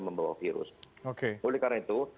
membawa virus oleh karena itu